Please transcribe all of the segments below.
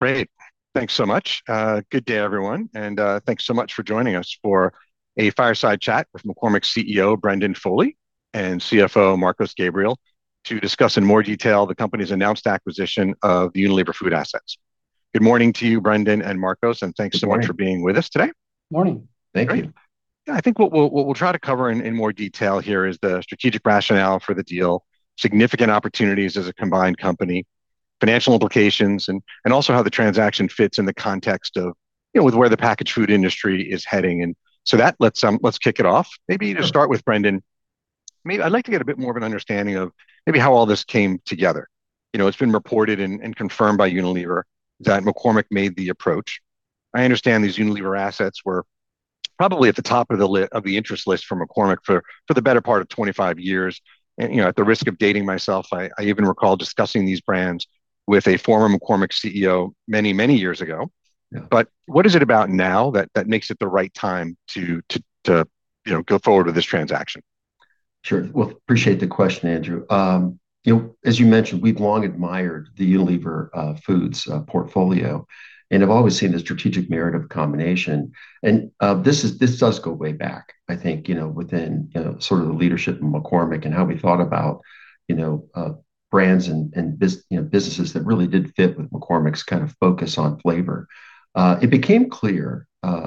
Great. Thanks so much. Good day, everyone, and thanks so much for joining us for a fireside chat with McCormick CEO, Brendan Foley, and CFO, Marcos Gabriel, to discuss in more detail the company's announced acquisition of the Unilever Foods assets. Good morning to you, Brendan and Marcos, and thanks so much for being with us today. Morning. Great. Yeah, I think what we'll try to cover in more detail here is the strategic rationale for the deal, significant opportunities as a combined company, financial implications, and also how the transaction fits in the context of with where the packaged food industry is heading. Let's kick it off. Maybe to start with Brendan, maybe I'd like to get a bit more of an understanding of maybe how all this came together. It's been reported and confirmed by Unilever that McCormick made the approach. I understand these Unilever assets were probably at the top of the interest list for McCormick for the better part of 25 years. At the risk of dating myself, I even recall discussing these brands with a former McCormick CEO many, many years ago. Yeah. What is it about now that makes it the right time to go forward with this transaction? Sure. Well, I appreciate the question, Andrew. As you mentioned, we've long admired the Unilever Foods portfolio and have always seen the strategic merit of combination. This does go way back, I think, within sort of the leadership in McCormick and how we thought about brands and businesses that really did fit with McCormick's kind of focus on flavor. It became clear, I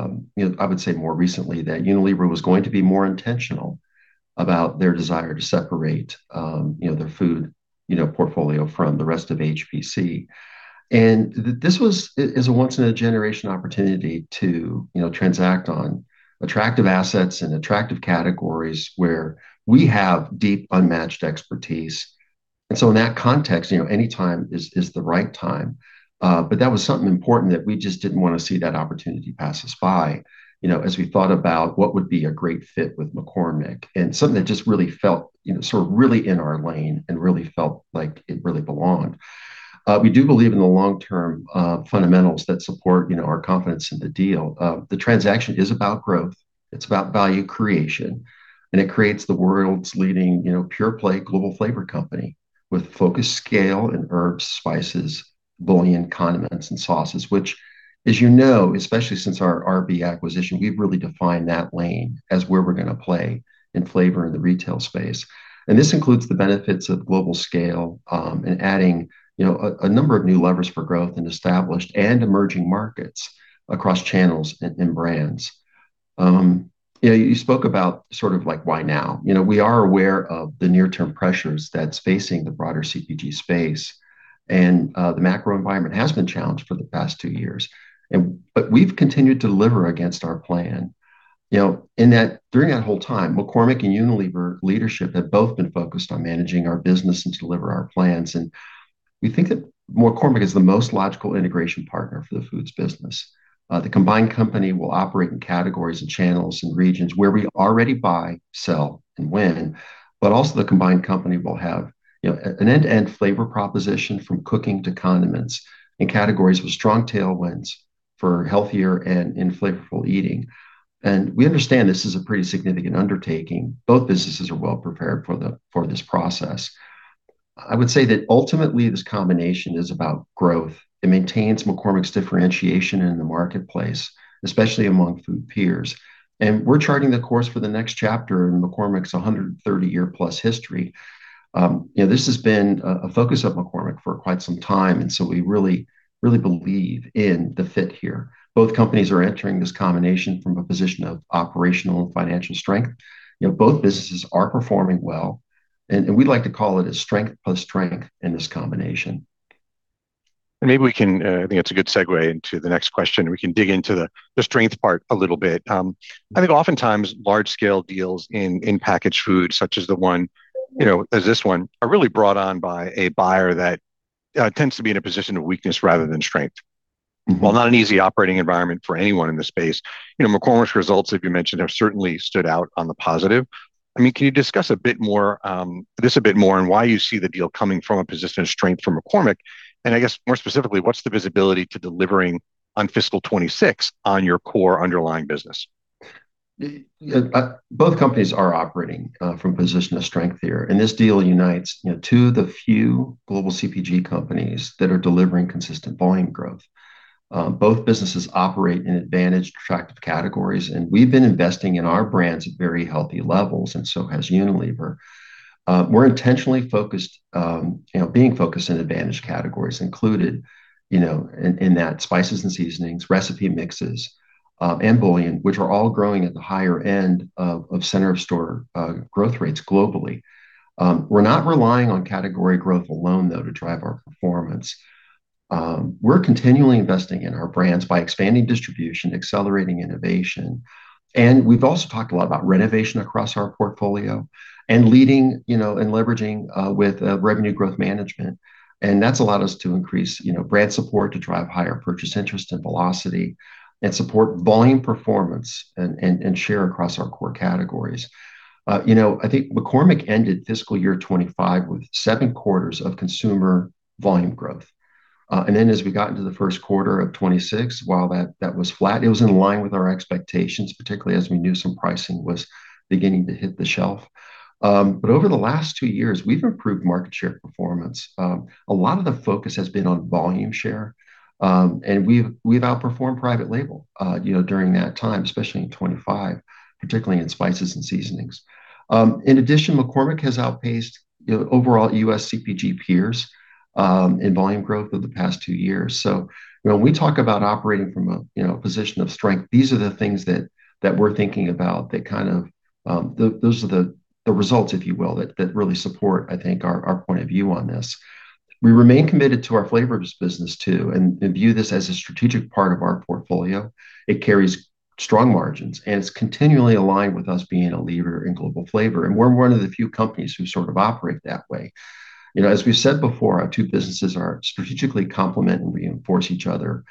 would say more recently, that Unilever was going to be more intentional about their desire to separate their food portfolio from the rest of HPC. This is a once in a generation opportunity to transact on attractive assets and attractive categories where we have deep, unmatched expertise. In that context, any time is the right time. That was something important that we just didn't want to see that opportunity pass us by, as we thought about what would be a great fit with McCormick and something that just really felt sort of really in our lane and really felt like it really belonged. We do believe in the long-term fundamentals that support our confidence in the deal. The transaction is about growth, it's about value creation, and it creates the world's leading pure-play global flavor company with focused scale in herbs, spices, bouillon, condiments, and sauces, which, as you know, especially since our RB acquisition, we've really defined that lane as where we're going to play in flavor in the retail space. This includes the benefits of global scale, and adding a number of new levers for growth in established and emerging markets across channels and brands. Yeah, you spoke about sort of like, "Why now?" We are aware of the near-term pressures that's facing the broader CPG space. The macro environment has been challenged for the past two years, but we've continued to deliver against our plan. During that whole time, McCormick and Unilever leadership have both been focused on managing our business and to deliver our plans. We think that McCormick is the most logical integration partner for the foods business. The combined company will operate in categories and channels and regions where we already buy, sell, and win. Also the combined company will have an end-to-end flavor proposition from cooking to condiments and categories with strong tailwinds for healthier and in flavorful eating. We understand this is a pretty significant undertaking. Both businesses are well prepared for this process. I would say that ultimately this combination is about growth. It maintains McCormick's differentiation in the marketplace, especially among food peers. We're charting the course for the next chapter in McCormick's 130-year-plus history. This has been a focus of McCormick for quite some time, and so we really believe in the fit here. Both companies are entering this combination from a position of operational and financial strength. Both businesses are performing well, and we like to call it a strength plus strength in this combination. Maybe I think it's a good segue into the next question, and we can dig into the strength part a little bit. I think oftentimes, large-scale deals in packaged food, such as this one, are really brought on by a buyer that tends to be in a position of weakness rather than strength. Mm-hmm. While not an easy operating environment for anyone in this space, McCormick's results, as you mentioned, have certainly stood out on the positive. Can you discuss this a bit more and why you see the deal coming from a position of strength from McCormick, and I guess more specifically, what's the visibility to delivering on fiscal 2026 on your core underlying business? Both companies are operating from a position of strength here, and this deal unites two of the few global CPG companies that are delivering consistent volume growth. Both businesses operate in advantaged, attractive categories, and we've been investing in our brands at very healthy levels, and so has Unilever. We're intentionally being focused in advantaged categories, included in that spices and seasonings, recipe mixes, and bouillon, which are all growing at the higher end of center of store growth rates globally. We're not relying on category growth alone, though, to drive our performance. We're continually investing in our brands by expanding distribution, accelerating innovation, and we've also talked a lot about renovation across our portfolio, and leading and leveraging with revenue growth management. That's allowed us to increase brand support to drive higher purchase interest and velocity, and support volume performance and share across our core categories. I think McCormick ended fiscal year 2025 with seven quarters of consumer volume growth. As we got into the first quarter of 2026, while that was flat, it was in line with our expectations, particularly as we knew some pricing was beginning to hit the shelf. Over the last two years, we've improved market share performance. A lot of the focus has been on volume share. We've outperformed private label during that time, especially in 2025, particularly in spices and seasonings. In addition, McCormick has outpaced overall U.S. CPG peers in volume growth over the past two years. When we talk about operating from a position of strength, these are the things that we're thinking about, those are the results, if you will, that really support, I think, our point of view on this. We remain committed to our flavors business too, and view this as a strategic part of our portfolio. It carries strong margins, and it's continually aligned with us being a leader in global flavor. We're one of the few companies who sort of operate that way. As we've said before, our two businesses strategically complement and reinforce each other,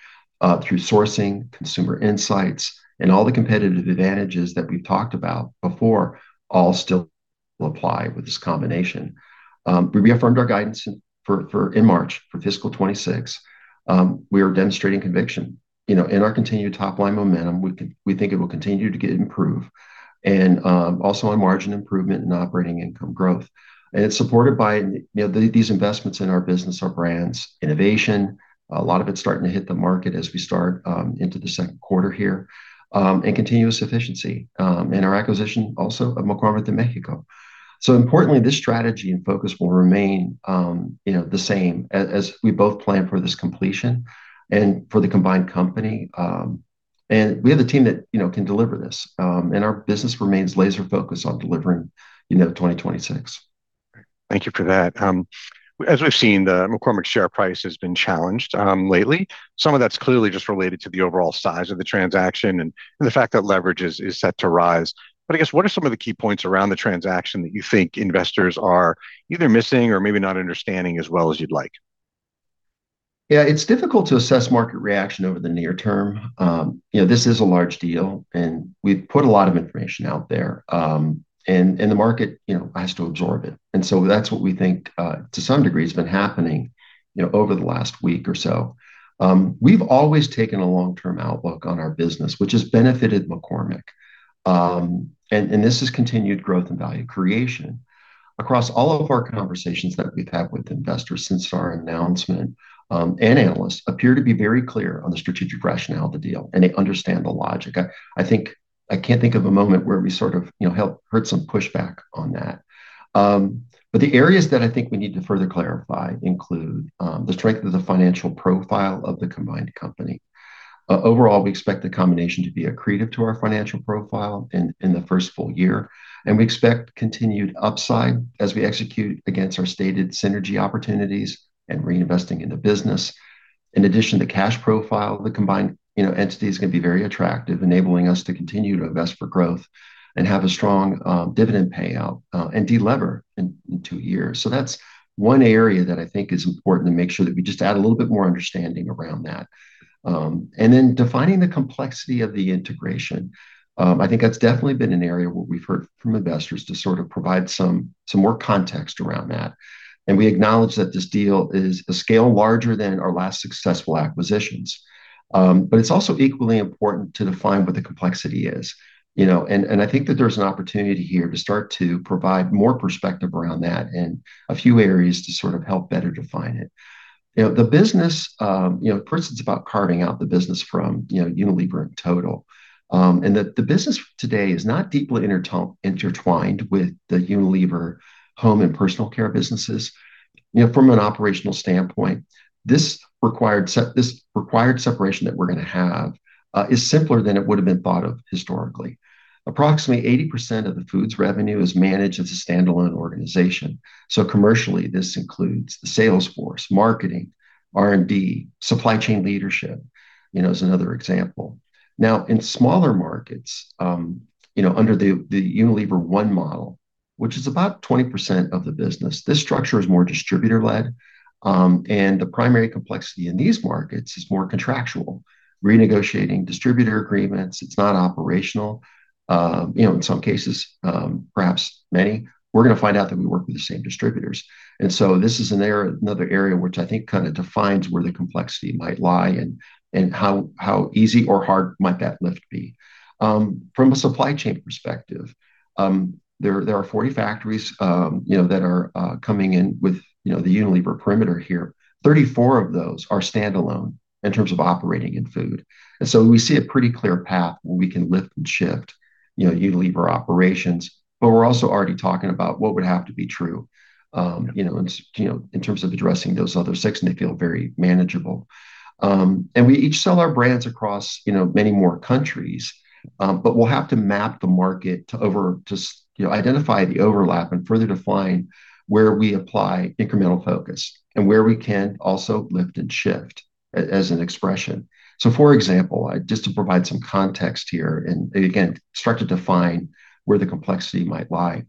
through sourcing, consumer insights, and all the competitive advantages that we've talked about before all still apply with this combination. We reaffirmed our guidance in March for fiscal 2026. We are demonstrating conviction in our continued top-line momentum, we think it will continue to improve, and also on margin improvement and operating income growth. It's supported by these investments in our business, our brands, innovation, a lot of it's starting to hit the market as we start into the second quarter here, and continuous efficiency, and our acquisition also of McCormick de Mexico. Importantly, this strategy and focus will remain the same as we both plan for this completion and for the combined company. We have the team that can deliver this. Our business remains laser-focused on delivering 2026. Thank you for that. As we've seen, the McCormick share price has been challenged lately. Some of that's clearly just related to the overall size of the transaction and the fact that leverage is set to rise. I guess, what are some of the key points around the transaction that you think investors are either missing or maybe not understanding as well as you'd like? Yeah. It's difficult to assess market reaction over the near term. This is a large deal, and we've put a lot of information out there. The market has to absorb it. That's what we think to some degree has been happening over the last week or so. We've always taken a long-term outlook on our business, which has benefited McCormick. This is continued growth and value creation. Across all of our conversations that we've had with investors since our announcement, and analysts appear to be very clear on the strategic rationale of the deal, and they understand the logic. I can't think of a moment where we sort of heard some pushback on that. The areas that I think we need to further clarify include the strength of the financial profile of the combined company. Overall, we expect the combination to be accretive to our financial profile in the first full year. We expect continued upside as we execute against our stated synergy opportunities and reinvesting in the business. In addition, the cash profile of the combined entities can be very attractive, enabling us to continue to invest for growth and have a strong dividend payout, and de-lever in two years. That's one area that I think is important to make sure that we just add a little bit more understanding around that. Defining the complexity of the integration, I think that's definitely been an area where we've heard from investors to sort of provide some more context around that. We acknowledge that this deal is a scale larger than our last successful acquisitions. It's also equally important to define what the complexity is. I think that there's an opportunity here to start to provide more perspective around that and a few areas to sort of help better define it. First, it's about carving out the business from Unilever in total, and that the business today is not deeply intertwined with the Unilever Home and Personal Care businesses. From an operational standpoint, this required separation that we're going to have is simpler than it would've been thought of historically. Approximately 80% of the foods revenue is managed as a standalone organization. Commercially, this includes the sales force, marketing, R&D. Supply chain leadership is another example. Now, in smaller markets, under the Unilever One model, which is about 20% of the business, this structure is more distributor-led. The primary complexity in these markets is more contractual, renegotiating distributor agreements. It's not operational. In some cases, perhaps many, we're going to find out that we work with the same distributors. This is another area which I think kind of defines where the complexity might lie and how easy or hard might that lift be. From a supply chain perspective, there are 40 factories that are coming in with the Unilever perimeter here. 34 of those are standalone in terms of operating in food. We see a pretty clear path where we can lift and shift Unilever operations. We're also already talking about what would have to be true in terms of addressing those other six, and they feel very manageable. We each sell our brands across many more countries. We'll have to map the market to identify the overlap and further define where we apply incremental focus and where we can also lift and shift, as an expression. For example, just to provide some context here, and again, start to define where the complexity might lie,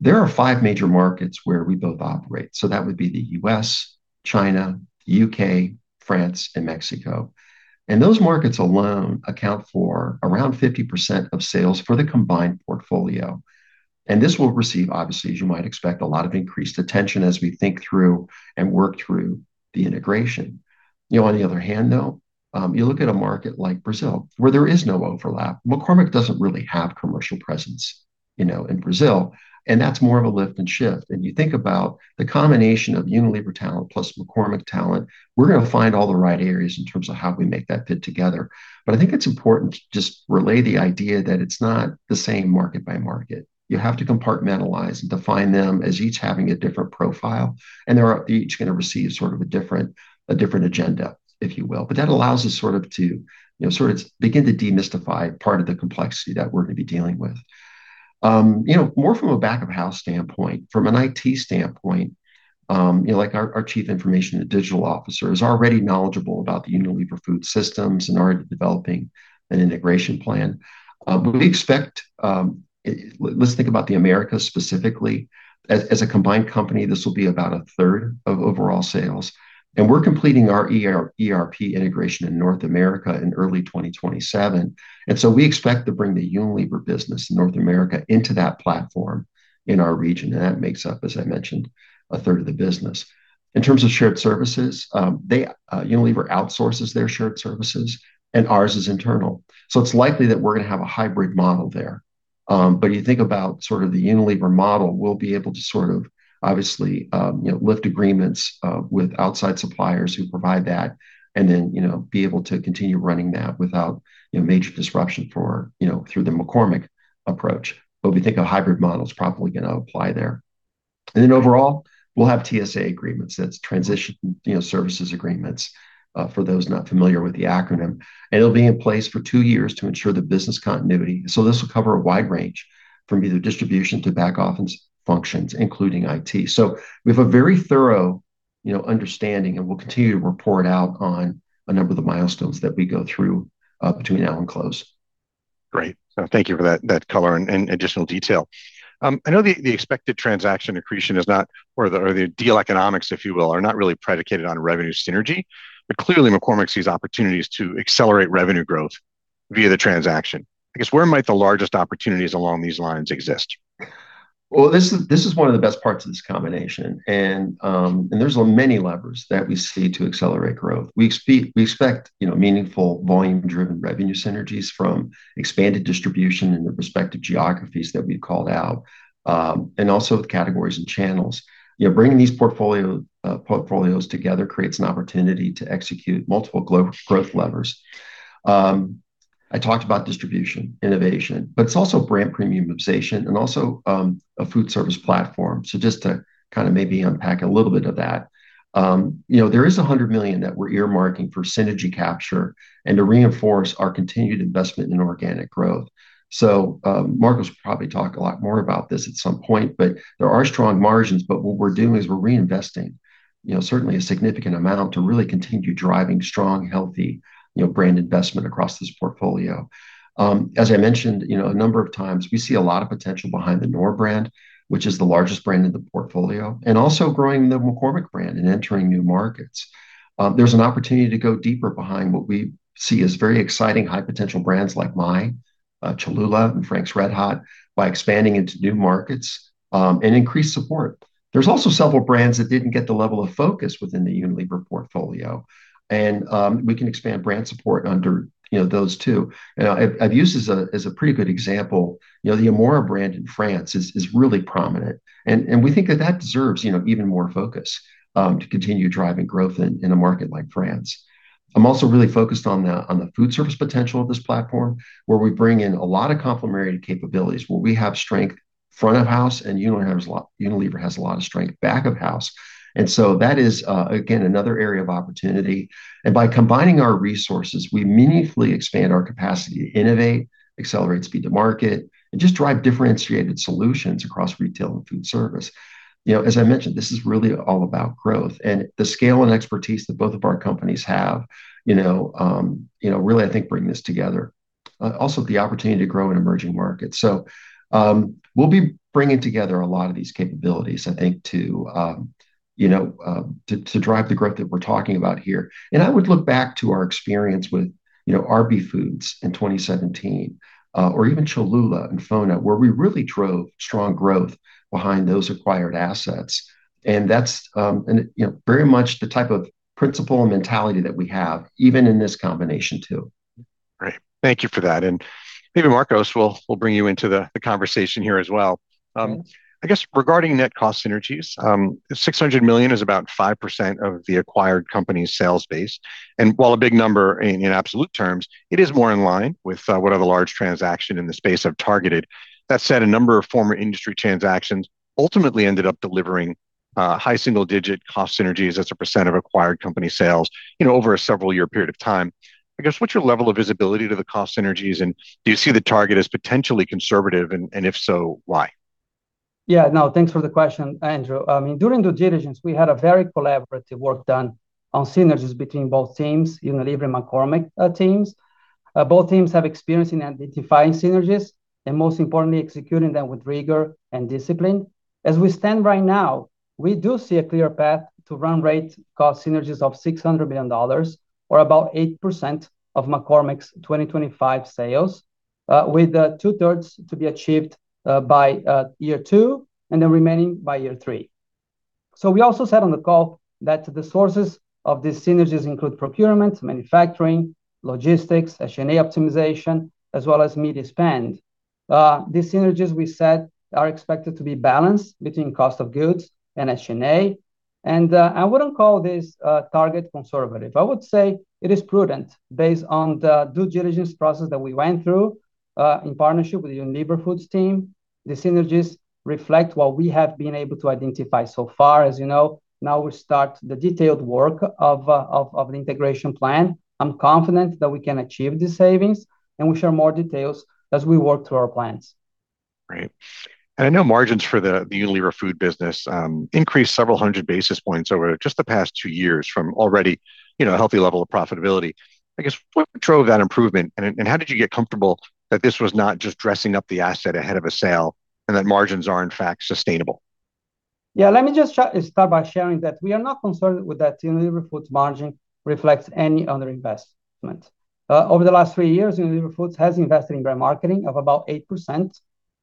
there are five major markets where we both operate. That would be the U.S., China, U.K., France, and Mexico. Those markets alone account for around 50% of sales for the combined portfolio. This will receive, obviously, as you might expect, a lot of increased attention as we think through and work through the integration. On the other hand, though, you look at a market like Brazil, where there is no overlap. McCormick doesn't really have commercial presence in Brazil, and that's more of a lift and shift. You think about the combination of Unilever talent plus McCormick talent, we're going to find all the right areas in terms of how we make that fit together. I think it's important to just relay the idea that it's not the same market by market. You have to compartmentalize and define them as each having a different profile, and they're each going to receive sort of a different agenda, if you will. That allows us to begin to demystify part of the complexity that we're going to be dealing with. More from a back-of-house standpoint, from an IT standpoint, our Chief Information and Digital Officer is already knowledgeable about the Unilever Food Systems and already developing an integration plan. We expect, let's think about the Americas specifically. As a combined company, this will be about 1/3 of overall sales, and we're completing our ERP integration in North America in early 2027. We expect to bring the Unilever business in North America into that platform in our region, and that makes up, as I mentioned, 1/3 of the business. In terms of shared services, Unilever outsources their shared services and ours is internal, so it's likely that we're going to have a hybrid model there. You think about the Unilever model, we'll be able to obviously lift agreements with outside suppliers who provide that and then be able to continue running that without major disruption through the McCormick approach. We think a hybrid model is probably going to apply there. Overall, we'll have TSA agreements, that's Transition Services Agreements, for those not familiar with the acronym, and it'll be in place for two years to ensure the business continuity. This will cover a wide range from either distribution to back-office functions, including IT. We have a very thorough understanding, and we'll continue to report out on a number of the milestones that we go through between now and close. Great. Thank you for that color and additional detail. I know the expected transaction accretion is not, or the deal economics, if you will, are not really predicated on revenue synergy. Clearly, McCormick sees opportunities to accelerate revenue growth via the transaction. I guess where might the largest opportunities along these lines exist? Well, this is one of the best parts of this combination, and there's many levers that we see to accelerate growth. We expect meaningful volume-driven revenue synergies from expanded distribution in the respective geographies that we've called out, and also with categories and channels. Bringing these portfolios together creates an opportunity to execute multiple growth levers. I talked about distribution, innovation, but it's also brand premiumization and also a foodservice platform. Just to kind of maybe unpack a little bit of that, there is $100 million that we're earmarking for synergy capture and to reinforce our continued investment in organic growth. Marcos will probably talk a lot more about this at some point, but there are strong margins, but what we're doing is we're reinvesting certainly a significant amount to really continue driving strong, healthy brand investment across this portfolio. As I mentioned a number of times, we see a lot of potential behind the Knorr brand, which is the largest brand in the portfolio, and also growing the McCormick brand and entering new markets. There's an opportunity to go deeper behind what we see as very exciting, high potential brands like Maille, Cholula, and Frank's RedHot by expanding into new markets and increase support. There's also several brands that didn't get the level of focus within the Unilever portfolio, and we can expand brand support under those, too. I've used as a pretty good example, the Amora brand in France is really prominent, and we think that that deserves even more focus to continue driving growth in a market like France. I'm also really focused on the food service potential of this platform, where we bring in a lot of complementary capabilities, where we have strength front of house and Unilever has a lot of strength back of house. That is, again, another area of opportunity. By combining our resources, we meaningfully expand our capacity to innovate, accelerate speed to market, and just drive differentiated solutions across retail and food service. As I mentioned, this is really all about growth and the scale and expertise that both of our companies have really, I think, bring this together. Also, the opportunity to grow in emerging markets, we'll be bringing together a lot of these capabilities, I think, to drive the growth that we're talking about here. I would look back to our experience with RB Foods in 2017 or even Cholula and FONA, where we really drove strong growth behind those acquired assets. That's very much the type of principle and mentality that we have, even in this combination, too. Great. Thank you for that. Maybe, Marcos, we'll bring you into the conversation here as well. I guess, regarding net cost synergies, $600 million is about 5% of the acquired company's sales base, and while a big number in absolute terms, it is more in line with what other large transaction in the space have targeted. That said, a number of former industry transactions ultimately ended up delivering high single digit cost synergies as a percent of acquired company sales over a several year period of time. I guess, what's your level of visibility to the cost synergies, and do you see the target as potentially conservative? If so, why? Yeah, no, thanks for the question, Andrew. During due diligence, we had a very collaborative work done on synergies between both teams, Unilever and McCormick teams. Both teams have experience in identifying synergies, and most importantly, executing them with rigor and discipline. As we stand right now, we do see a clear path to run rate cost synergies of $600 million, or about 8% of McCormick's 2025 sales, with two-thirds to be achieved by year two, and the remaining, by year three. We also said on the call that the sources of these synergies include procurement, manufacturing, logistics, S&A optimization, as well as media spend. These synergies we set are expected to be balanced between cost of goods and H&A. I wouldn't call this target conservative. I would say it is prudent based on the due diligence process that we went through, in partnership with the Unilever Foods team. The synergies reflect what we have been able to identify so far. As you know, now we start the detailed work of an integration plan. I'm confident that we can achieve these savings, and we'll share more details as we work through our plans. Great. I know margins for the Unilever Food business increased several hundred basis points over just the past two years from already a healthy level of profitability. I guess, what drove that improvement, and how did you get comfortable that this was not just dressing up the asset ahead of a sale, and that margins are in fact sustainable? Yeah, let me just start by sharing that we are not concerned with that Unilever Foods margin reflects any underinvestment. Over the last three years, Unilever Foods has invested in brand marketing of about 8%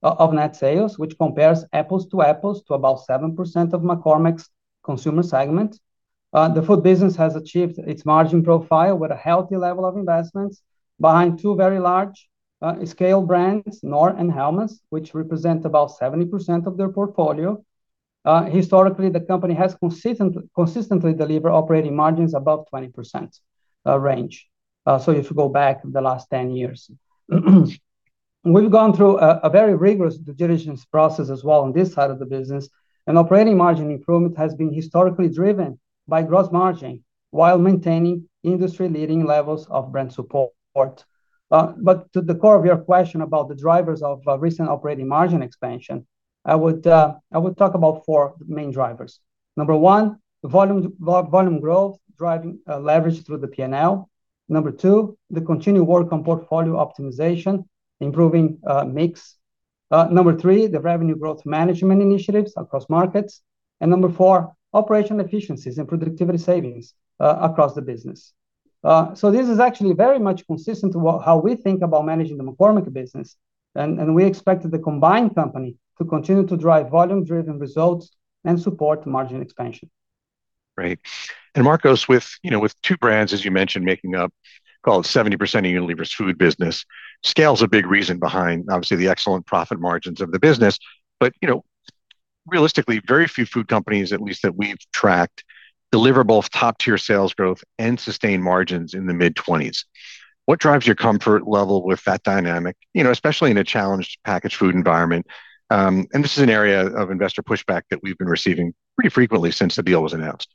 of net sales, which compares apples to apples to about 7% of McCormick's Consumer segment. The food business has achieved its margin profile with a healthy level of investments behind two very large-scale brands, Knorr and Hellmann's, which represent about 70% of their portfolio. Historically, the company has consistently delivered operating margins above 20% range if you go back the last 10 years. We've gone through a very rigorous due diligence process as well on this side of the business. Operating margin improvement has been historically driven by gross margin while maintaining industry-leading levels of brand support. To the core of your question about the drivers of recent operating margin expansion, I would talk about four main drivers. Number one, volume growth driving leverage through the P&L. Number two, the continued work on portfolio optimization, improving mix. Number three, the revenue growth management initiatives across markets. Number four, operational efficiencies and productivity savings across the business. This is actually very much consistent to how we think about managing the McCormick business, and we expect the combined company to continue to drive volume-driven results and support margin expansion. Great. Marcos, with two brands, as you mentioned, making up call it 70% of Unilever's food business, scale's a big reason behind, obviously, the excellent profit margins of the business. Realistically, very few food companies, at least that we've tracked, deliver both top-tier sales growth and sustained margins in the mid-20s. What drives your comfort level with that dynamic, especially in a challenged packaged food environment? This is an area of investor pushback that we've been receiving pretty frequently since the deal was announced.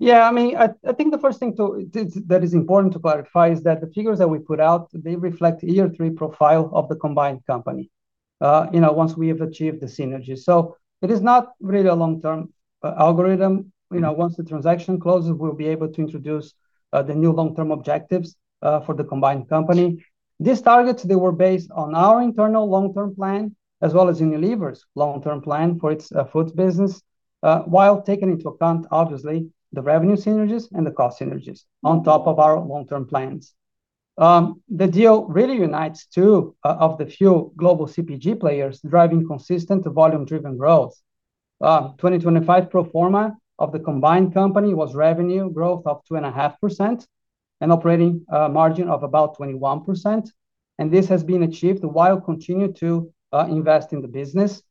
Yeah, I think the first thing that is important to clarify is that the figures that we put out, they reflect year three profile of the combined company once we have achieved the synergy. It is not really a long-term algorithm. Once the transaction closes, we'll be able to introduce the new long-term objectives for the combined company. These targets, they were based on our internal long-term plan, as well as Unilever's long-term plan for its foods business, while taking into account, obviously, the revenue synergies and the cost synergies on top of our long-term plans. The deal really unites two of the few global CPG players driving consistent volume-driven growth. 2025 pro forma of the combined company was revenue growth of 2.5% and operating margin of about 21%. This has been achieved while continuing to invest in the business.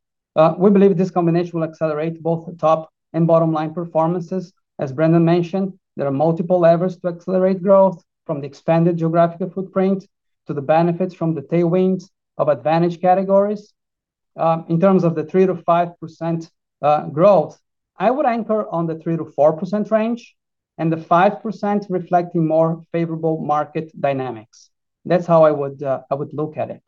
We believe this combination will accelerate both the top- and bottom-line performances. As Brendan mentioned, there are multiple levers to accelerate growth, from the expanded geographical footprint to the benefits from the tailwinds of advantaged categories. In terms of the 3%-5% growth, I would anchor on the 3%-4% range, and the 5% reflecting more favorable market dynamics. That's how I would look at it.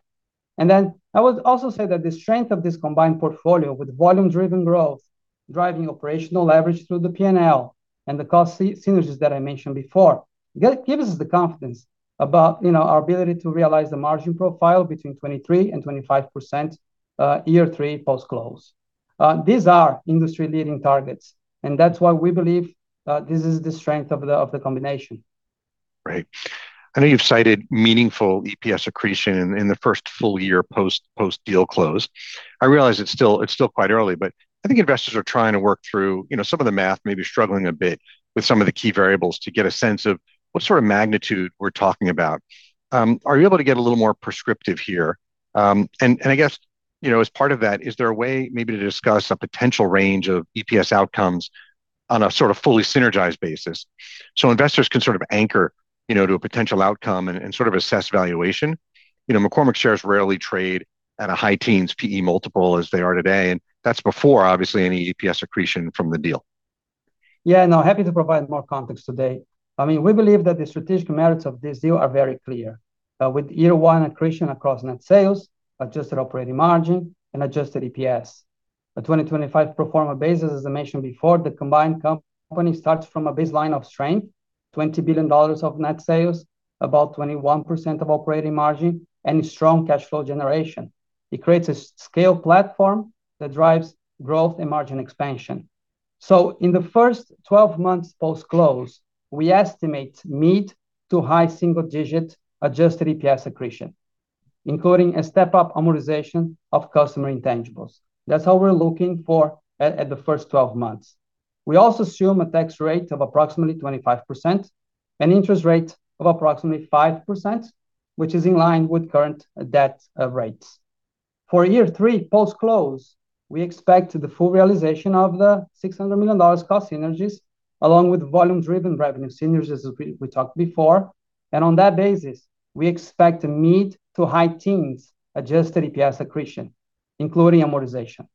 I would also say that the strength of this combined portfolio with volume-driven growth, driving operational leverage through the P&L, and the cost synergies that I mentioned before, that gives us the confidence about our ability to realize the margin profile between 23% and 25% year three post-close. These are industry-leading targets, and that's why we believe this is the strength of the combination. Right. I know you've cited meaningful EPS accretion in the first full year post-deal close. I realize it's still quite early, but I think investors are trying to work through some of the math, maybe struggling a bit with some of the key variables to get a sense of what sort of magnitude we're talking about. Are you able to get a little more prescriptive here? I guess, as part of that, is there a way maybe to discuss a potential range of EPS outcomes on a sort of fully synergized basis so investors can sort of anchor to a potential outcome and sort of assess valuation? McCormick shares rarely trade at a high-teens P/E multiple as they are today, and that's before, obviously, any EPS accretion from the deal. Yeah, no, I am happy to provide more context today. We believe that the strategic merits of this deal are very clear, with year 1 accretion across net sales, adjusted operating margin, and adjusted EPS. On a 2025 pro forma basis, as I mentioned before, the combined company starts from a baseline of strength, $20 billion of net sales, about 21% of operating margin, and strong cash flow generation. It creates a scale platform that drives growth and margin expansion. In the first 12 months post-close, we estimate mid- to high-single-digit adjusted EPS accretion, including a step-up amortization of customer intangibles. That's how we're looking at the first 12 months. We also assume a tax rate of approximately 25%, an interest rate of approximately 5%, which is in line with current debt rates. For year three post-close, we expect the full realization of the $600 million cost synergies, along with volume-driven revenue synergies, as we talked before. On that basis, we expect a mid-to-high teens adjusted EPS accretion, including amortization.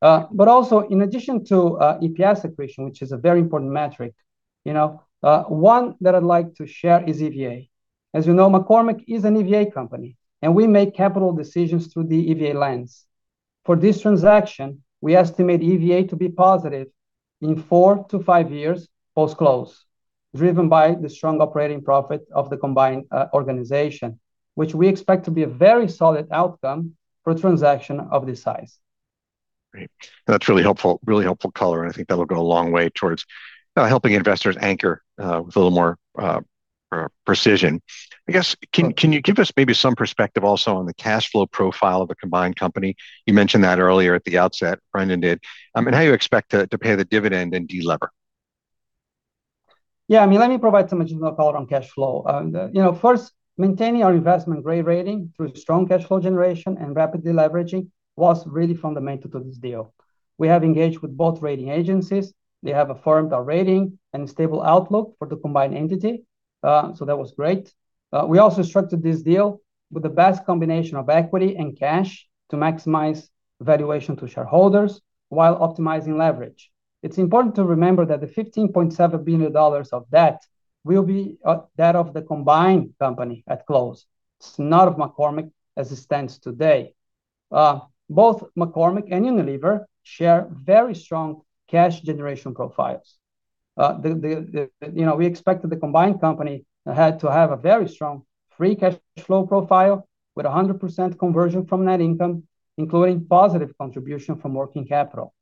Also, in addition to EPS accretion, which is a very important metric, one that I'd like to share is EVA. As you know, McCormick is an EVA company, and we make capital decisions through the EVA lens. For this transaction, we estimate EVA to be positive in 4-5 years post-close, driven by the strong operating profit of the combined organization, which we expect to be a very solid outcome for a transaction of this size. Great. That's really helpful color, and I think that'll go a long way towards helping investors anchor with a little more precision. I guess, can you give us maybe some perspective also on the cash flow profile of the combined company? You mentioned that earlier at the outset, Brendan did. How you expect to pay the dividend and delever? Yeah, let me provide some additional color on cash flow. First, maintaining our investment-grade rating through strong cash flow generation and rapid deleveraging was really fundamental to this deal. We have engaged with both rating agencies. They have affirmed our rating and stable outlook for the combined entity. That was great. We also structured this deal with the best combination of equity and cash to maximize valuation to shareholders while optimizing leverage. It's important to remember that the $15.7 billion of debt will be that of the combined company at close. It's not of McCormick as it stands today. Both McCormick and Unilever share very strong cash generation profiles. We expect that the combined company had to have a very strong free cash flow profile with 100% conversion from net income, including positive contribution from working capital.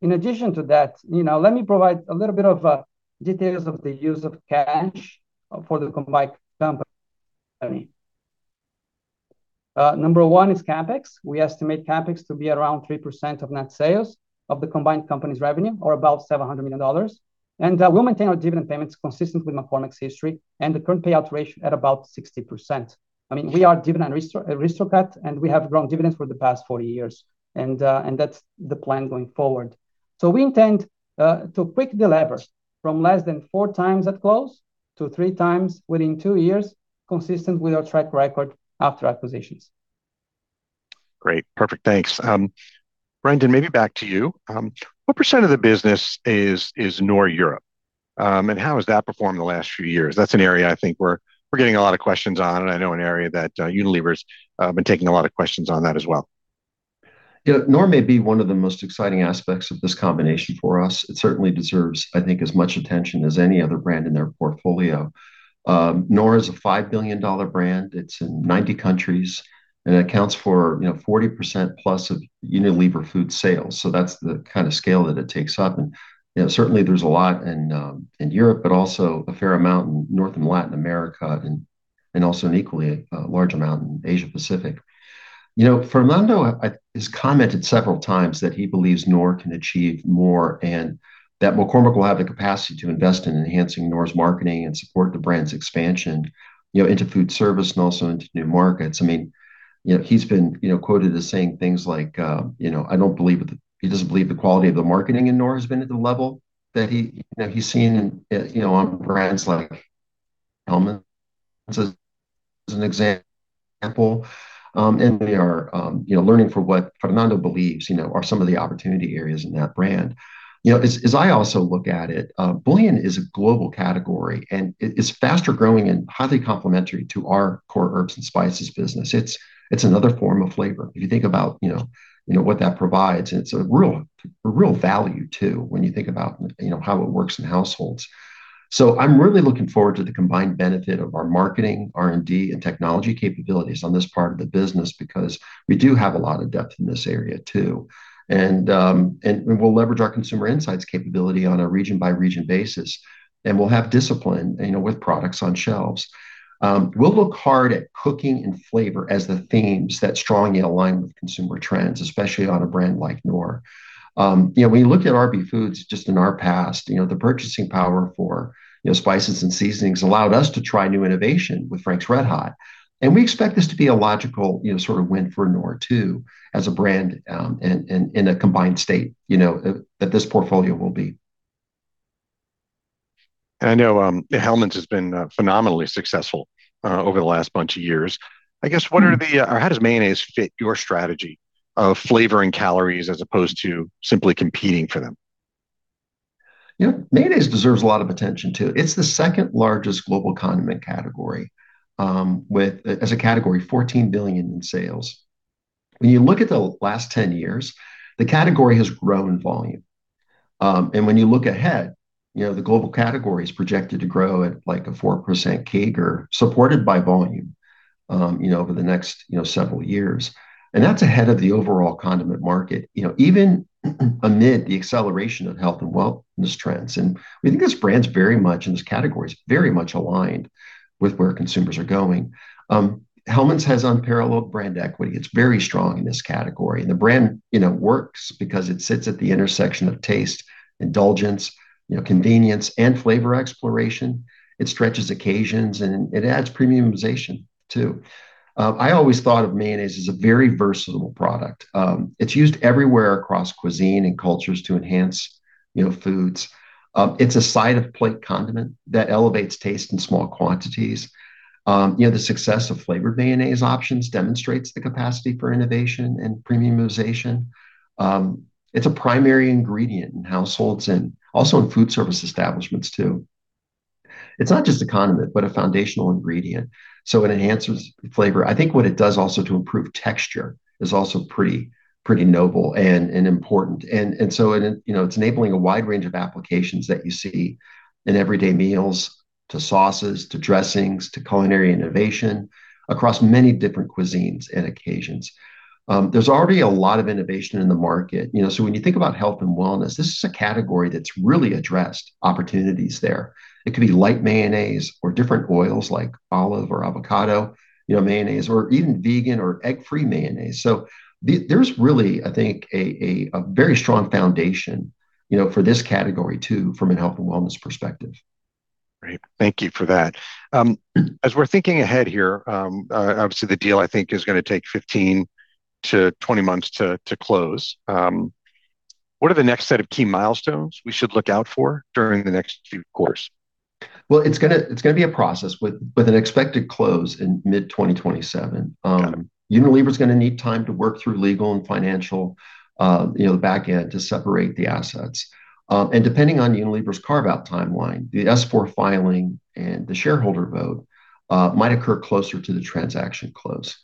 In addition to that, let me provide a little bit of details of the use of cash for the combined company. Number one is CapEx. We estimate CapEx to be around 3% of net sales of the combined company's revenue, or about $700 million. And we'll maintain our dividend payments consistent with McCormick's history and the current payout ratio at about 60%. We are dividend aristocrat, and we have grown dividends for the past 40 years, and that's the plan going forward. So we intend to quick delever from less than four times at close to three times within two years, consistent with our track record after acquisitions. Great. Perfect. Thanks. Brendan, maybe back to you. What percent of the business is Knorr Europe? And how has that performed in the last few years? That's an area I think we're getting a lot of questions on, and I know an area that Unilever's been taking a lot of questions on that as well. Yeah, Knorr may be one of the most exciting aspects of this combination for us. It certainly deserves, I think, as much attention as any other brand in their portfolio. Knorr is a $5 billion brand. It's in 90 countries, and it accounts for 40%+ of Unilever food sales. That's the kind of scale that it takes up, and certainly there's a lot in Europe, but also a fair amount in North and Latin America, and also an equally large amount in Asia-Pacific. Fernando has commented several times that he believes Knorr can achieve more, and that McCormick will have the capacity to invest in enhancing Knorr's marketing and support the brand's expansion into foodservice and also into new markets. He's been quoted as saying things like he doesn't believe the quality of the marketing in Knorr has been at the level that he's seen on brands like Hellmann's, as an example, and we are learning from what Fernando believes are some of the opportunity areas in that brand. As I also look at it, bouillon is a global category, and it is faster-growing and highly complementary to our core herbs and spices business. It's another form of flavor. If you think about what that provides, and it's a real value, too, when you think about how it works in households. I'm really looking forward to the combined benefit of our marketing, R&D, and technology capabilities on this part of the business, because we do have a lot of depth in this area, too. We'll leverage our consumer insights capability on a region-by-region basis, and we'll have discipline with products on shelves. We'll look hard at cooking and flavor as the themes that strongly align with consumer trends, especially on a brand like Knorr. When you look at RB Foods, just in our past, the purchasing power for spices and seasonings allowed us to try new innovation with Frank's RedHot. We expect this to be a logical sort of win for Knorr, too, as a brand in a combined state, that this portfolio will be. I know Hellmann's has been phenomenally successful over the last bunch of years. I guess, how does mayonnaise fit your strategy of flavor and calories as opposed to simply competing for them? You know, mayonnaise deserves a lot of attention, too. It's the second-largest global condiment category, with, as a category, $14 billion in sales. When you look at the last 10 years, the category has grown in volume. When you look ahead, the global category is projected to grow at a 4% CAGR, supported by volume, over the next several years. That's ahead of the overall condiment market, even amid the acceleration of health and wellness trends. We think this brand's very much, and this category, is very much aligned with where consumers are going. Hellmann's has unparalleled brand equity. It's very strong in this category. The brand works because it sits at the intersection of taste, indulgence, convenience, and flavor exploration. It stretches occasions, and it adds premiumization, too. I always thought of mayonnaise as a very versatile product. It's used everywhere across cuisine and cultures to enhance foods. It's a side-of-plate condiment that elevates taste in small quantities. The success of flavored mayonnaise options demonstrates the capacity for innovation and premiumization. It's a primary ingredient in households and also in foodservice establishments, too. It's not just a condiment, but a foundational ingredient, so it enhances flavor. I think what it does also to improve texture is also pretty notable and important. It's enabling a wide range of applications that you see in everyday meals, to sauces, to dressings, to culinary innovation across many different cuisines and occasions. There's already a lot of innovation in the market. When you think about health and wellness, this is a category that's really addressed opportunities there. It could be light mayonnaise or different oils like olive or avocado mayonnaise, or even vegan or egg-free mayonnaise. There's really, I think, a very strong foundation for this category, too, from a health and wellness perspective. Great. Thank you for that. As we're thinking ahead here, obviously the deal, I think, is going to take 15-20 months to close. What are the next set of key milestones we should look out for during the next few quarters? Well, it's going to be a process with an expected close in mid-2027. Unilever's going to need time to work through legal and financial, the back end, to separate the assets. Depending on Unilever's carve-out timeline, the S-4 filing and the shareholder vote might occur closer to the transaction close.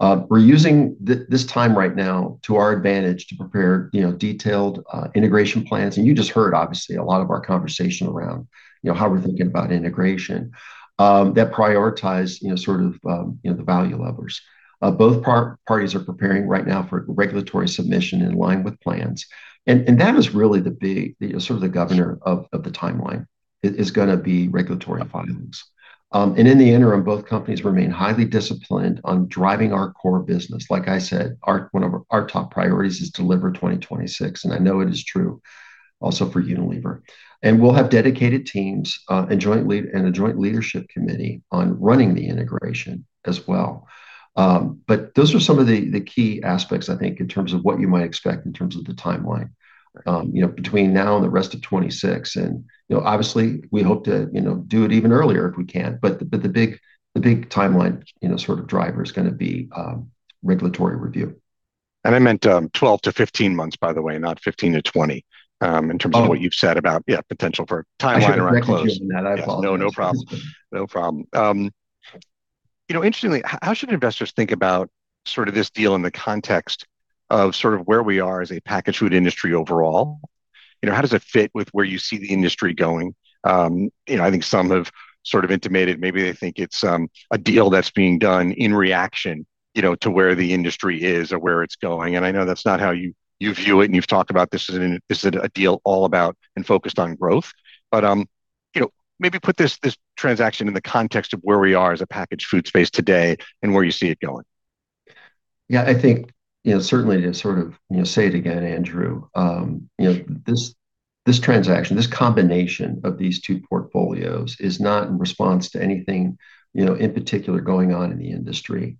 We're using this time right now to our advantage to prepare detailed integration plans. You just heard, obviously, a lot of our conversation around how we're thinking about integration that prioritize sort of the value levers. Both parties are preparing right now for regulatory submission in line with plans. That is really the big, sort of the governor of the timeline, is going to be regulatory filings. In the interim, both companies remain highly disciplined on driving our core business. Like I said, one of our top priorities is deliver 2026, and I know it is true also for Unilever. We'll have dedicated teams and a joint leadership committee on running the integration as well. Those are some of the key aspects, I think, in terms of what you might expect in terms of the timeline between now and the rest of 2026. Obviously, we hope to do it even earlier if we can. The big timeline sort of driver is going to be regulatory review. I meant 12-15 months, by the way, not 15-20. Oh In terms of what you've said about, yeah, potential for timeline around close. I misheard you on that. I apologize. No problem. Interestingly, how should investors think about this deal in the context of where we are as a packaged food industry overall? How does it fit with where you see the industry going? I think some have sort of intimated maybe they think it's a deal that's being done in reaction to where the industry is or where it's going. I know that's not how you view it, and you've talked about this as a deal all about and focused on growth. Maybe put this transaction in the context of where we are as a packaged food space today and where you see it going. Yeah, I think certainly to sort of say it again, Andrew, this transaction, this combination of these two portfolios is not in response to anything in particular going on in the industry.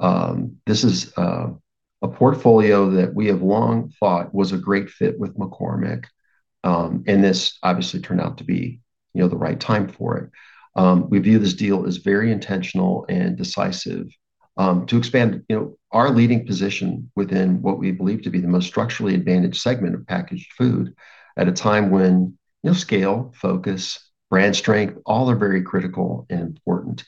This is a portfolio that we have long thought was a great fit with McCormick, and this obviously turned out to be the right time for it. We view this deal as very intentional and decisive to expand our leading position within what we believe to be the most structurally advantaged segment of packaged food at a time when scale, focus, brand strength, all are very critical and important.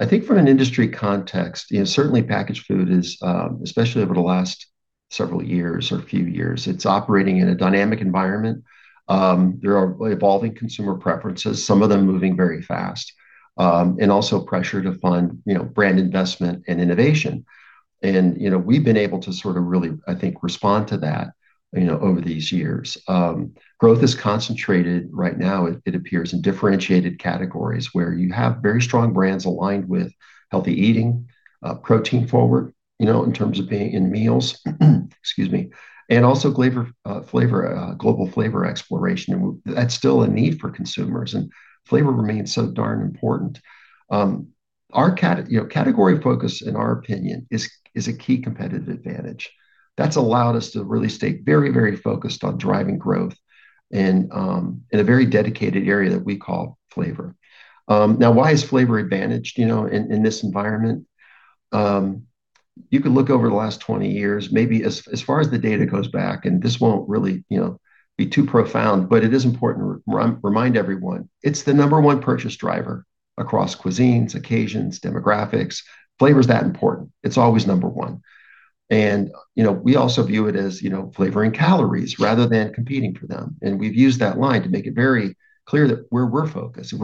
I think from an industry context, certainly packaged food is, especially over the last several years or few years, it's operating in a dynamic environment. There are evolving consumer preferences, some of them moving very fast, and also pressure to fund brand investment and innovation. We've been able to sort of really, I think, respond to that over these years. Growth is concentrated right now, it appears, in differentiated categories where you have very strong brands aligned with healthy eating, protein-forward in terms of being in meals, excuse me, and also global flavor exploration. That's still a need for consumers, and flavor remains so darn important. Category focus, in our opinion, is a key competitive advantage. That's allowed us to really stay very focused on driving growth in a very dedicated area that we call flavor. Now, why is flavor advantaged in this environment? You can look over the last 20 years, maybe as far as the data goes back, and this won't really be too profound, but it is important to remind everyone. It's the number one purchase driver across cuisines, occasions, demographics. Flavor's that important. It's always number one. We also view it as flavoring calories rather than competing for them. We've used that line to make it very clear that we're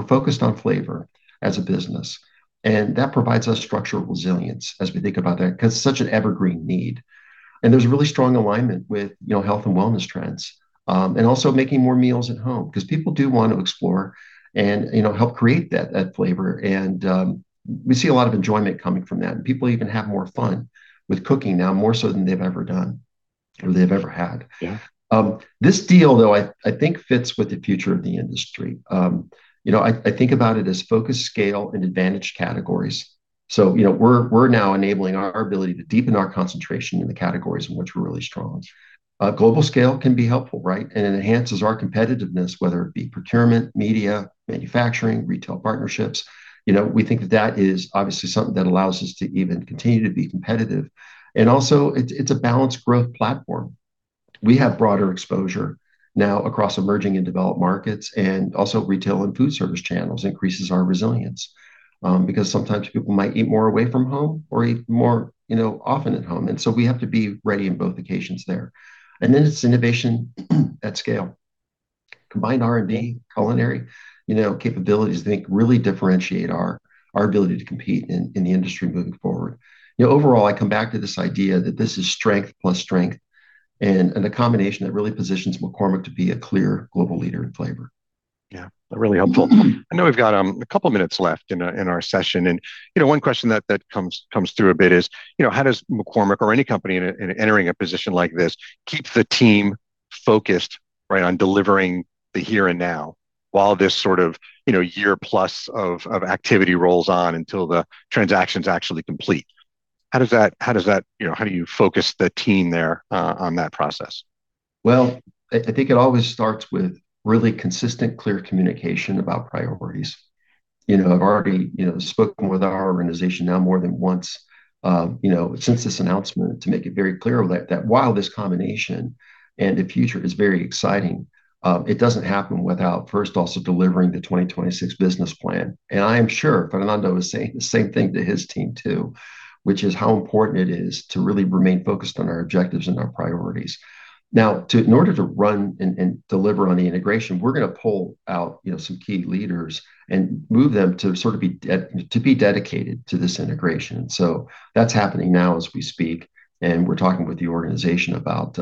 focused on flavor as a business, and that provides us structural resilience as we think about that, because it's such an evergreen need. There's really strong alignment with health and wellness trends, and also making more meals at home because people do want to explore and help create that flavor. We see a lot of enjoyment coming from that, and people even have more fun with cooking now, more so than they've ever done or they've ever had. Yeah. This deal, though, I think fits with the future of the industry. I think about it as focus, scale, and advantage categories. We're now enabling our ability to deepen our concentration in the categories in which we're really strong. Global scale can be helpful, right? It enhances our competitiveness, whether it be procurement, media, manufacturing, retail partnerships. We think that that is obviously something that allows us to even continue to be competitive. It's a balanced growth platform. We have broader exposure now across emerging and developed markets, and also retail and food service channels increases our resilience, because sometimes people might eat more away from home or eat more often at home. We have to be ready in both occasions there. It's innovation at scale. Combined R&D, culinary capabilities, I think really differentiate our ability to compete in the industry moving forward. Overall, I come back to this idea that this is strength plus strength, and a combination that really positions McCormick to be a clear global leader in flavor. Yeah, really helpful. I know we've got a couple minutes left in our session, and one question that comes through a bit is how does McCormick or any company entering a position like this keep the team focused on delivering the here and now while this sort of year-plus of activity rolls on until the transaction's actually complete? How do you focus the team there on that process? Well, I think it always starts with really consistent, clear communication about priorities. I've already spoken with our organization now more than once since this announcement to make it very clear that while this combination and the future is very exciting, it doesn't happen without first also delivering the 2026 business plan. I am sure Fernando is saying the same thing to his team, too, which is how important it is to really remain focused on our objectives and our priorities. Now, in order to run and deliver on the integration, we're going to pull out some key leaders and move them to be dedicated to this integration. That's happening now as we speak, and we're talking with the organization about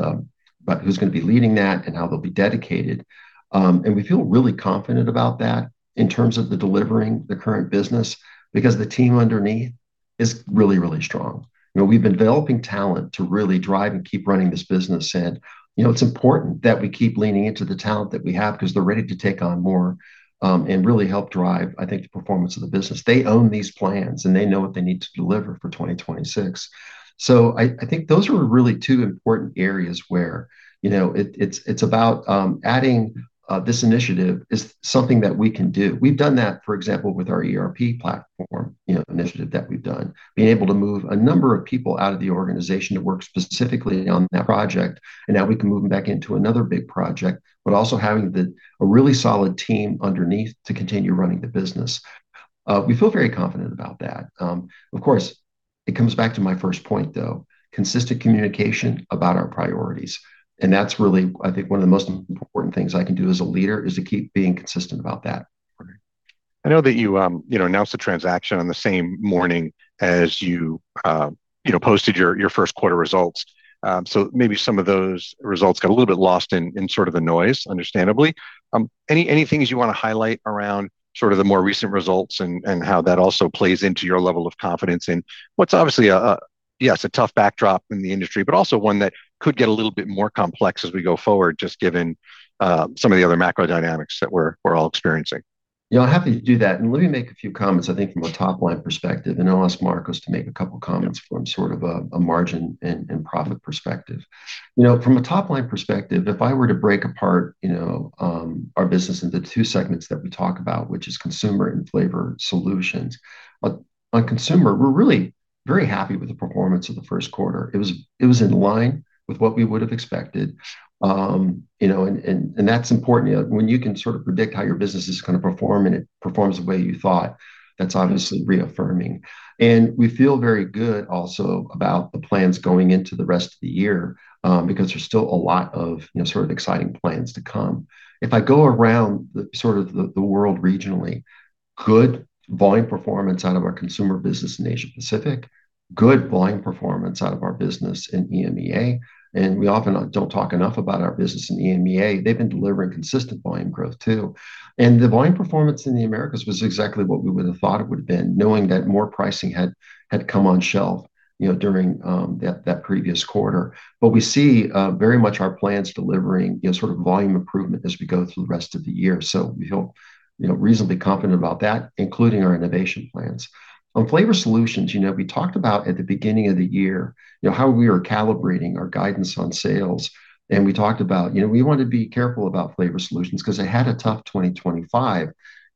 who's going to be leading that and how they'll be dedicated. We feel really confident about that in terms of the delivering the current business, because the team underneath is really strong. We've been developing talent to really drive and keep running this business, and it's important that we keep leaning into the talent that we have because they're ready to take on more, and really help drive, I think, the performance of the business. They own these plans, and they know what they need to deliver for 2026. I think those are really two important areas where it's about adding this initiative is something that we can do. We've done that, for example, with our ERP platform initiative that we've done, being able to move a number of people out of the organization to work specifically on that project, and now we can move them back into another big project, but also having a really solid team underneath to continue running the business. We feel very confident about that. Of course, it comes back to my first point, though, consistent communication about our priorities. That's really, I think, one of the most important things I can do as a leader, is to keep being consistent about that. I know that you announced the transaction on the same morning as you posted your first quarter results. Maybe some of those results got a little bit lost in sort of the noise, understandably. Any things you want to highlight around sort of the more recent results and how that also plays into your level of confidence in what's obviously a tough backdrop in the industry, but also one that could get a little bit more complex as we go forward, just given some of the other macro dynamics that we're all experiencing? Yeah, I'm happy to do that. And let me make a few comments, I think, from a top-line perspective, and I'll ask Marcos to make a couple comments from sort of a margin and profit perspective. From a top-line perspective, if I were to break apart our business into two segments that we talk about, which is consumer and flavor solutions. On consumer, we're really very happy with the performance of the first quarter. It was in line with what we would have expected, and that's important. When you can sort of predict how your business is going to perform and it performs the way you thought, that's obviously reaffirming. And we feel very good also about the plans going into the rest of the year, because there's still a lot of sort of exciting plans to come. If I go around sort of the world regionally, good volume performance out of our Consumer business in Asia Pacific, good volume performance out of our business in EMEA, and we often don't talk enough about our business in EMEA. They've been delivering consistent volume growth, too. The volume performance in the Americas was exactly what we would have thought it would have been, knowing that more pricing had come on shelf during that previous quarter. We see very much our plans delivering sort of volume improvement as we go through the rest of the year. We feel reasonably confident about that, including our innovation plans. On Flavor Solutions, we talked about at the beginning of the year how we are calibrating our guidance on sales, and we talked about we want to be careful about Flavor Solutions because they had a tough 2025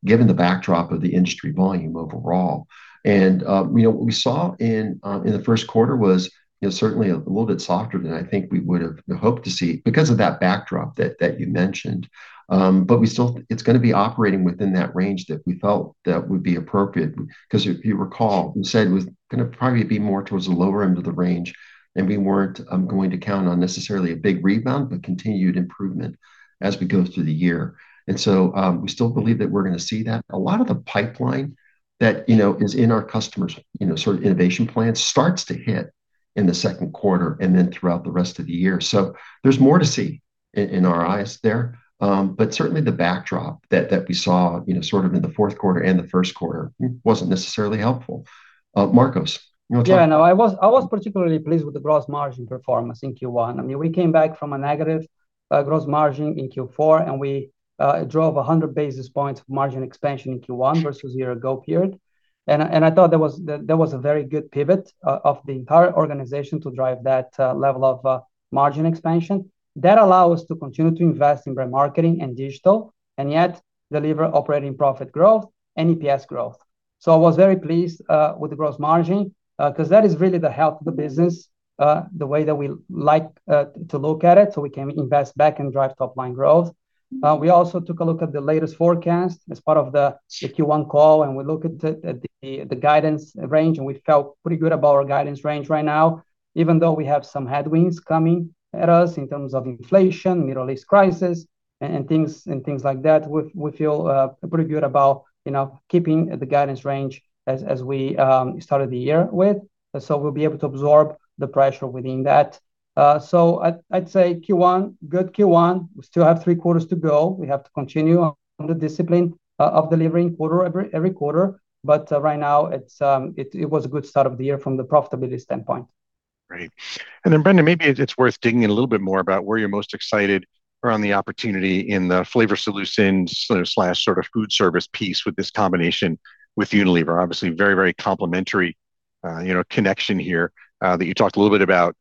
given the backdrop of the industry volume overall. What we saw in the first quarter was certainly a little bit softer than I think we would have hoped to see because of that backdrop that you mentioned. It's going to be operating within that range that we felt that would be appropriate, because if you recall, we said it was going to probably be more towards the lower end of the range, and we weren't going to count on necessarily a big rebound, but continued improvement as we go through the year. We still believe that we're going to see that. A lot of the pipeline that is in our customers' sort of innovation plan starts to hit. In the second quarter and then throughout the rest of the year, there's more to see in our eyes there. Certainly the backdrop that we saw sort of in the fourth quarter and the first quarter wasn't necessarily helpful. Marcos, you want to talk? Yeah, no, I was particularly pleased with the gross margin performance in Q1. We came back from a negative gross margin in Q4, and we drove 100 basis points of margin expansion in Q1 versus year-ago period. I thought that was a very good pivot of the entire organization to drive that level of margin expansion. That allow us to continue to invest in brand marketing and digital, and yet deliver operating profit growth and EPS growth. I was very pleased with the gross margin, because that is really the health of the business, the way that we like to look at it, so we can invest back and drive top-line growth. We also took a look at the latest forecast as part of the Q1 call, and we looked at the guidance range, and we felt pretty good about our guidance range right now. Even though we have some headwinds coming at us in terms of inflation, Middle East crisis, and things like that, we feel pretty good about keeping the guidance range as we started the year with. We'll be able to absorb the pressure within that. I'd say Q1, good Q1. We still have three quarters to go. We have to continue on the discipline of delivering every quarter. Right now, it was a good start of the year from the profitability standpoint. Great. Brendan, maybe it's worth digging in a little bit more about where you're most excited around the opportunity in the Flavor Solutions food service piece with this combination with Unilever. Obviously very, very complementary connection here, that you talked a little bit about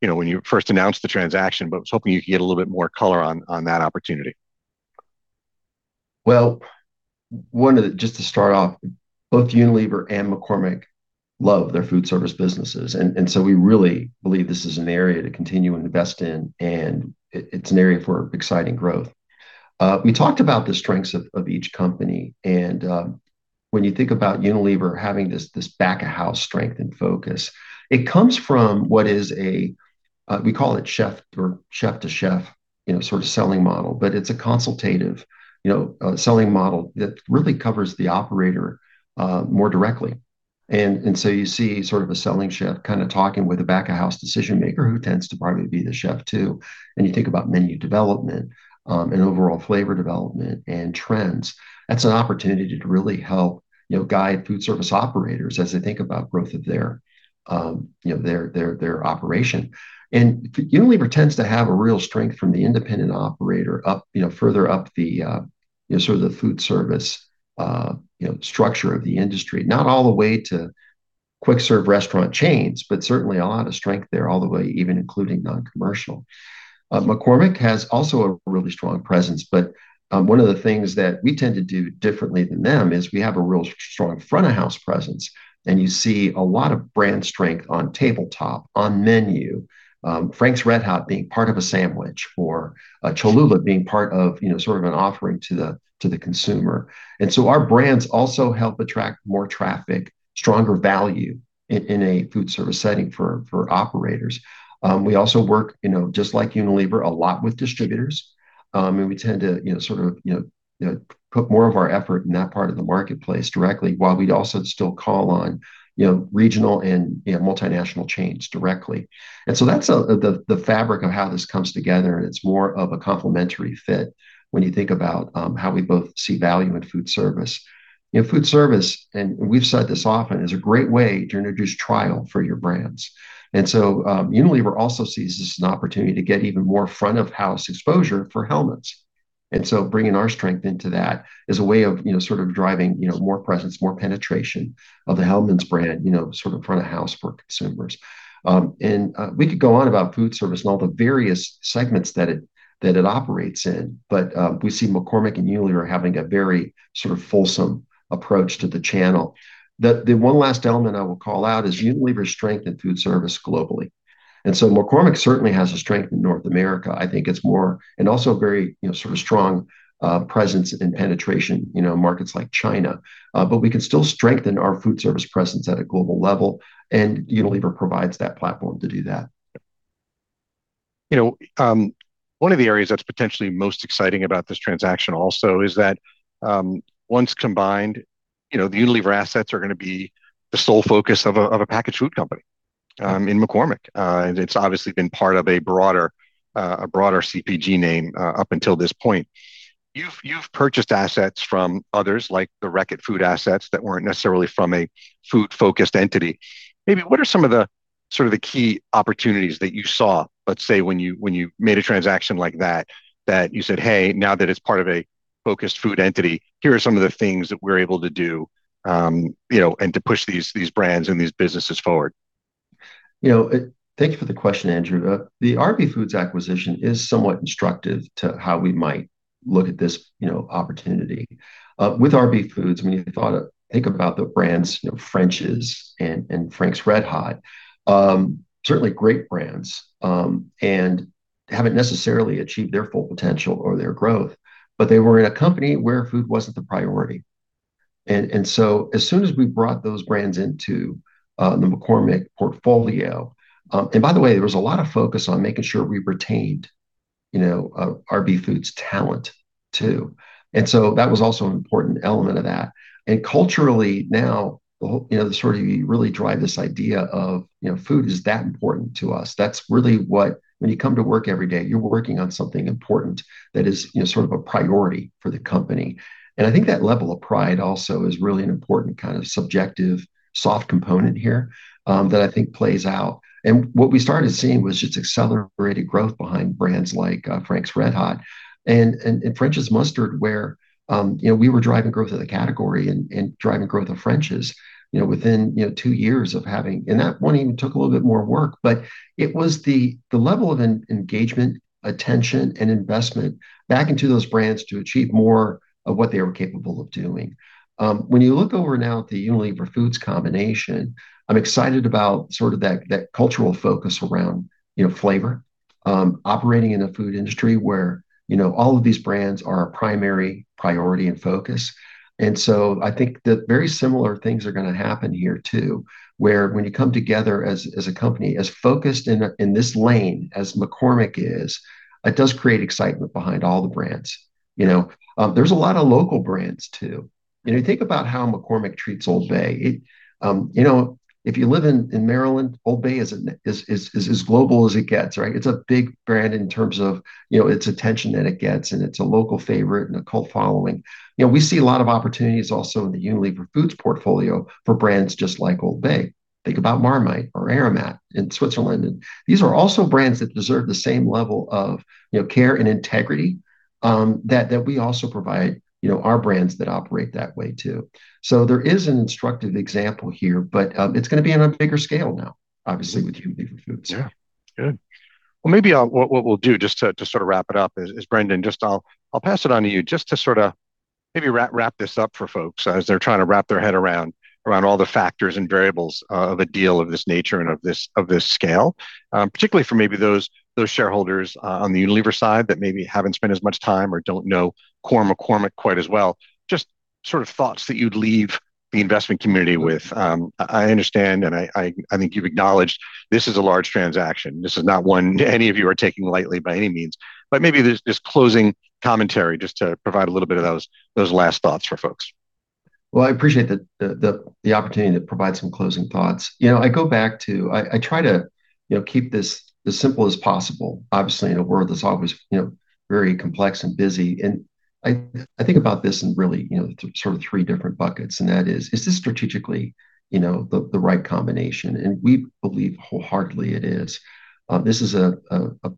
when you first announced the transaction. I was hoping you could get a little bit more color on that opportunity. Well, just to start off, both Unilever and McCormick love their food service businesses, and so we really believe this is an area to continue and invest in, and it's an area for exciting growth. We talked about the strengths of each company. When you think about Unilever having this back-of-house strength and focus, it comes from what is a, we call it chef or chef-to-chef selling model. It's a consultative selling model that really covers the operator more directly. You see sort of a selling chef kind of talking with a back-of-house decision-maker, who tends to probably be the chef, too. You think about menu development, and overall flavor development, and trends. That's an opportunity to really help guide food service operators as they think about growth of their operation. Unilever tends to have a real strength from the independent operator further up the food service structure of the industry, not all the way to quick-serve restaurant chains, but certainly a lot of strength there all the way, even including non-commercial. McCormick has also a really strong presence, but one of the things that we tend to do differently than them is we have a real strong front-of-house presence. You see a lot of brand strength on tabletop, on menu, Frank's RedHot being part of a sandwich or Cholula being part of sort of an offering to the consumer. Our brands also help attract more traffic, stronger value in a food service setting for operators. We also work, just like Unilever, a lot with distributors. We tend to sort of put more of our effort in that part of the marketplace directly while we'd also still call on regional and multinational chains directly. That's the fabric of how this comes together, and it's more of a complementary fit when you think about how we both see value in food service. Food service, and we've said this often, is a great way to introduce trial for your brands. Unilever also sees this as an opportunity to get even more front-of-house exposure for Hellmann's. Bringing our strength into that is a way of sort of driving more presence, more penetration of the Hellmann's brand, sort of front of house for consumers. We could go on about food service and all the various segments that it operates in. We see McCormick and Unilever having a very sort of fulsome approach to the channel. The one last element I will call out is Unilever's strength in food service globally. McCormick certainly has a strength in North America. I think it's more, and also very sort of strong presence and penetration in markets like China. We can still strengthen our food service presence at a global level, and Unilever provides that platform to do that. One of the areas that's potentially most exciting about this transaction also is that once combined, the Unilever assets are going to be the sole focus of a packaged food company in McCormick. It's obviously been part of a broader CPG name up until this point. You've purchased assets from others, like the Reckitt food assets, that weren't necessarily from a food-focused entity. Maybe what are some of the sort of the key opportunities that you saw, let's say when you made a transaction like that you said, "Hey, now that it's part of a focused food entity, here are some of the things that we're able to do and to push these brands and these businesses forward. Thanks for the question, Andrew. The RB Foods acquisition is somewhat instructive to how we might look at this opportunity. With RB Foods, when you think about the brands French's and Frank's RedHot, certainly great brands, and haven't necessarily achieved their full potential or their growth. They were in a company where food wasn't the priority. As soon as we brought those brands into the McCormick portfolio, and by the way, there was a lot of focus on making sure we retained our RB Foods talent too. That was also an important element of that. Culturally now, you really drive this idea of food is that important to us. That's really what, when you come to work every day, you're working on something important that is sort of a priority for the company. I think that level of pride also is really an important kind of subjective soft component here, that I think plays out. What we started seeing was just accelerated growth behind brands like Frank's RedHot and French's Mustard, where we were driving growth of the category and driving growth of French's within two years of having. That one even took a little bit more work. It was the level of engagement, attention, and investment back into those brands to achieve more of what they were capable of doing. When you look over now at the Unilever Foods combination, I'm excited about sort of that cultural focus around flavor, operating in a food industry where all of these brands are our primary priority and focus. I think that very similar things are going to happen here too, where when you come together as a company as focused in this lane as McCormick is, it does create excitement behind all the brands. There's a lot of local brands too. Think about how McCormick treats Old Bay. If you live in Maryland, Old Bay is as global as it gets, right? It's a big brand in terms of its attention that it gets, and it's a local favorite and a cult following. We see a lot of opportunities also in the Unilever Foods portfolio for brands just like Old Bay. Think about Marmite or Aromat in Switzerland. These are also brands that deserve the same level of care and integrity, that we also provide our brands that operate that way too. There is an instructive example here, but it's going to be on a bigger scale now, obviously, with Unilever Foods. Yeah. Good. Well, maybe what we'll do just to sort of wrap it up is, Brendan, just I'll pass it on to you just to sort of maybe wrap this up for folks as they're trying to wrap their head around all the factors and variables of a deal of this nature and of this scale. Particularly for maybe those shareholders on the Unilever side that maybe haven't spent as much time or don't know core McCormick quite as well, just sort of thoughts that you'd leave the investment community with. I understand, and I think you've acknowledged this is a large transaction. This is not one any of you are taking lightly by any means. Maybe just closing commentary just to provide a little bit of those last thoughts for folks. Well, I appreciate the opportunity to provide some closing thoughts. I try to keep this as simple as possible, obviously, in a world that's always very complex and busy. I think about this in really sort of three different buckets, and that is, is this strategically the right combination? We believe wholeheartedly it is. This is a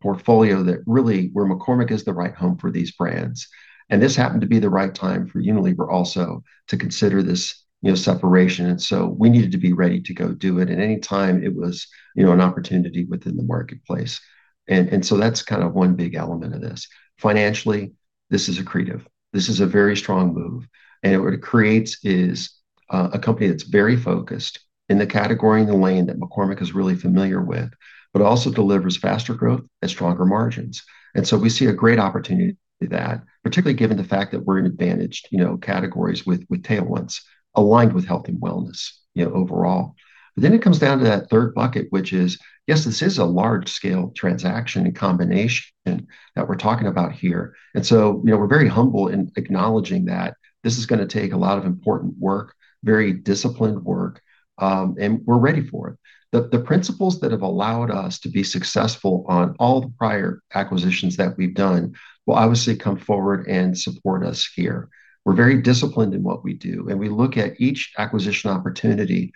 portfolio where McCormick is the right home for these brands. This happened to be the right time for Unilever also to consider this separation, and so we needed to be ready to go do it at any time it was an opportunity within the marketplace. That's kind of one big element of this. Financially, this is accretive. This is a very strong move, and what it creates is a company that's very focused in the category and the lane that McCormick is really familiar with, but also delivers faster growth and stronger margins. We see a great opportunity to do that, particularly given the fact that we're in advantaged categories with tailwinds aligned with health and wellness overall. It comes down to that third bucket, which is, yes, this is a large-scale transaction and combination that we're talking about here. We're very humble in acknowledging that this is going to take a lot of important work, very disciplined work, and we're ready for it. The principles that have allowed us to be successful on all the prior acquisitions that we've done will obviously come forward and support us here. We're very disciplined in what we do, and we look at each acquisition opportunity,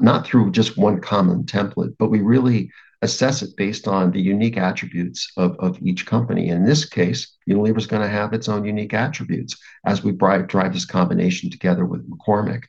not through just one common template, but we really assess it based on the unique attributes of each company. In this case, Unilever's going to have its own unique attributes as we drive this combination together with McCormick.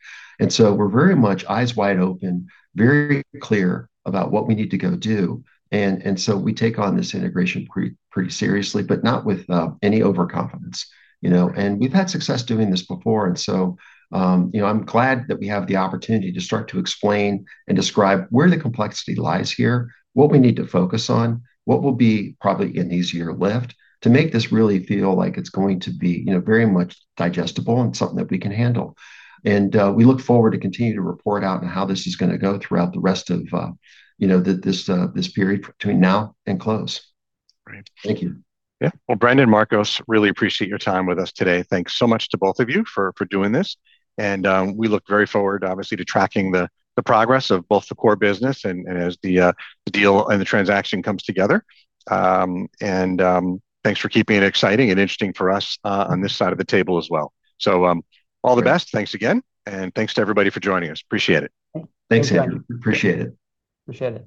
We're very much eyes wide open, very clear about what we need to go do. We take on this integration pretty seriously, but not with any overconfidence. We've had success doing this before, and so, I'm glad that we have the opportunity to start to explain and describe where the complexity lies here, what we need to focus on, what will be probably an easier lift to make this really feel like it's going to be very much digestible and something that we can handle. We look forward to continue to report out on how this is going to go throughout the rest of this period between now and close. Great. Thank you. Yeah. Well, Brendan, Marcos, we really appreciate your time with us today. Thanks so much to both of you for doing this, and we look very forward, obviously, to tracking the progress of both the core business and as the deal and the transaction comes together. Thanks for keeping it exciting and interesting for us on this side of the table as well. All the best. Thanks again, and thanks to everybody for joining us. We appreciate it. Thanks, Andrew. Appreciate it. Appreciate it.